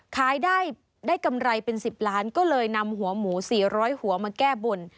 ได้กำไรเป็น๑๐ล้านก็เลยนำหัวหมู๔๐๐หัวมาแก้บน